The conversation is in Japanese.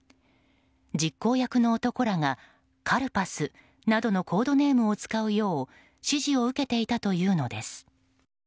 実行役の男らがカルパスなどのコードネームを使うよう指示を受けていたというのです。